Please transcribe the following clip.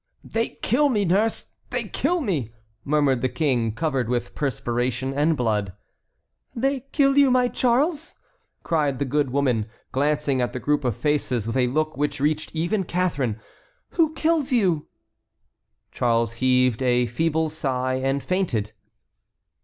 "They kill me, nurse, they kill me," murmured the King, covered with perspiration and blood. "They kill you, my Charles?" cried the good woman, glancing at the group of faces with a look which reached even Catharine. "Who kills you?" Charles heaved a feeble sigh, and fainted.